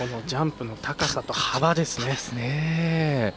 ジャンプの高さと幅ですね。